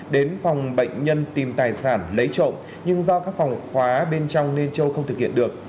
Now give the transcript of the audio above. đến phòng bệnh nhân tìm tài sản lấy trộm nhưng do các phòng khóa bên trong nên châu không thực hiện được